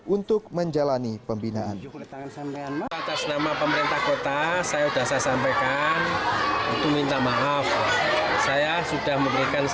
untuk mencari alat yang digunakan